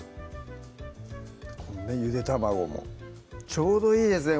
このねゆで卵もちょうどいいですね